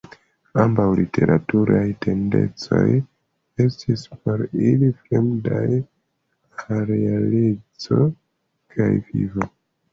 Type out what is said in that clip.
Ambaŭ literaturaj tendencoj estis por ili fremdaj al realeco kaj vivo.